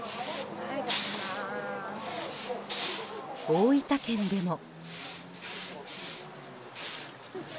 大分県でも。